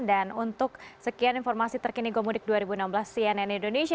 dan untuk sekian informasi terkini gomudik dua ribu enam belas cnn indonesia